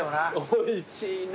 おいしいな。